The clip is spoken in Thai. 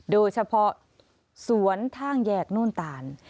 โดยเฉพาะสวนทางแยกโน่นตาล